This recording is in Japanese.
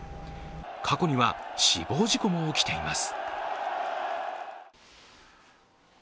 過去には死亡事故も起きています。